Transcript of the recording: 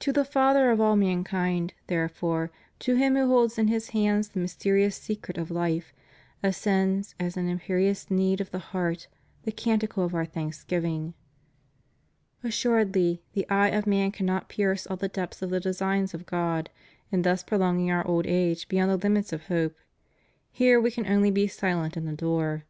To the Father of all mankind, therefore ; to Him who holds in His hands the mysterious secret of hfe, ascends, as an imperious need of the heart, the canticle of Our thanksgiv ing. Assuredly the eye of man cannot pierce all the depths of the designs of God in thus prolonging Our old age be yond the limits of hope: here We can only be silent and adore.